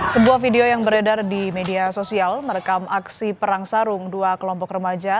sebuah video yang beredar di media sosial merekam aksi perang sarung dua kelompok remaja